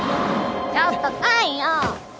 ・ちょっと太陽！